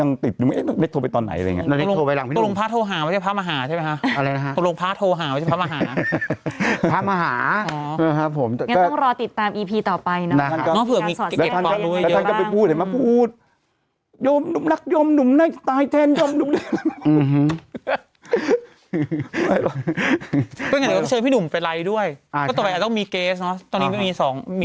อ่าใช่ก็ต่อไปอาจจะต้องมีเกสเนอะตอนนี้มีสองมีต่อ